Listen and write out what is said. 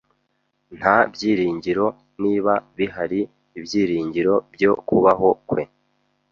Nta byiringiro, niba bihari, ibyiringiro byo kubaho kwe.